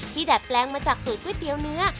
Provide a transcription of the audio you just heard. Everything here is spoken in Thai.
ดัดแปลงมาจากสูตรก๋วยเตี๋ยวเนื้อ